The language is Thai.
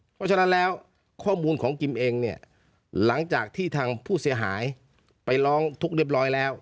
เพราะฉะนั้นแล้วข้อมูลของกิมเองเนี่ยหลังจากที่ทางผู้เสียหายไปร้องทุกข์เรียบร้อยแล้ว